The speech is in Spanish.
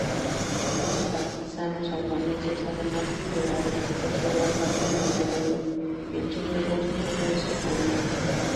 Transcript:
Los partisanos albaneses, además, liberaron Kosovo, parte de Montenegro y el sur de Bosnia-Herzegovina.